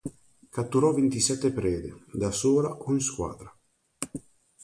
Catturò ventisette prede, da sola o in squadra.